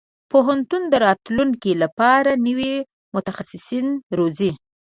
پوهنتون د راتلونکي لپاره نوي متخصصين روزي.